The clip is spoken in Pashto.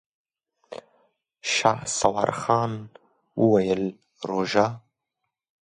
شهسوار خان وويل: روژه؟!